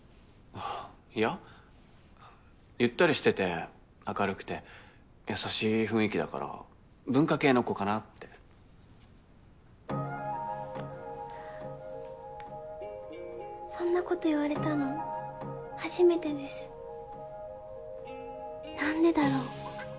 いやゆったりしてて明るくて優しい雰囲気だから文化系の子かなってそんなこと言われたの初めてです何でだろう